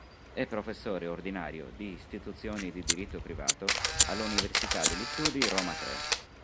È professore ordinario di istituzioni di diritto privato all'Università degli Studi Roma Tre.